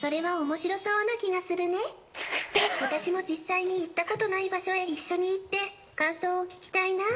それは面白そうな気がするね、私も実際に行ったことない場所へ一緒に行って感想を聞きたいな。